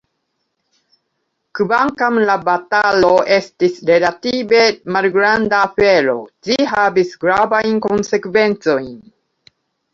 Kvankam la batalo estis relative malgranda afero, ĝi havis gravajn konsekvencojn.